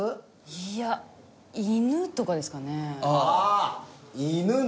いや「いぬ」とかですかね？